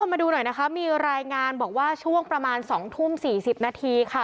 มาดูหน่อยนะคะมีรายงานบอกว่าช่วงประมาณ๒ทุ่ม๔๐นาทีค่ะ